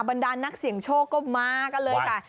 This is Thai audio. บรรดานนักเสี่ยงโชคก็มากันเลยค่ะ